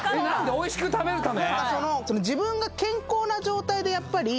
おいしく食べるため？